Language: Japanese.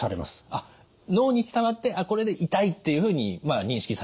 あっ脳に伝わってこれで痛いっていうふうに認識されると。